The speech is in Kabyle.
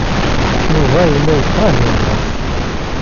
Yuba yella yekṛeh yemma-s.